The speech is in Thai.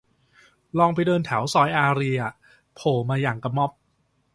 ลองไปเดินแถวซอยอารีย์อะ โผล่มาอย่างกะม็อบ